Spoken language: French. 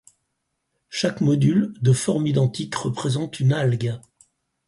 Chaque module, de forme identique, représente une algue.